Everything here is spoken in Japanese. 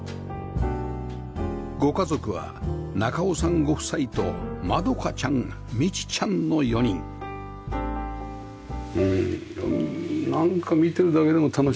ご家族は中尾さんご夫妻とまどかちゃんみちちゃんの４人うんなんか見てるだけでも楽しいよな。